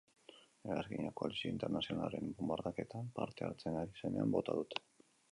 Hegazkina koalizio internazionalaren bonbardaketan parte hartzen ari zenean bota dute.